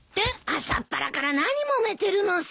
朝っぱらから何もめてるのさ。